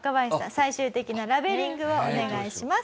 最終的なラベリングをお願いします。